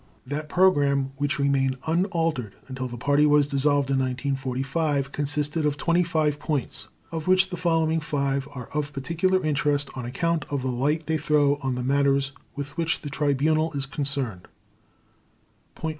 That program, which remained unaltered until the Party was dissolved in 1945, consisted of 25 points, of which the following five are of particular interest on account of the light they throw on the matters with which the Tribunal is concerned: "_Point 1.